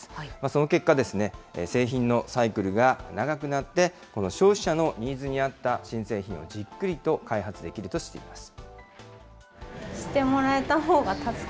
その結果、製品のサイクルが長くなって、この消費者のニーズに合った新製品がじっくりと開発できるとしています。